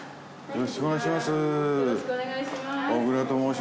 よろしくお願いします。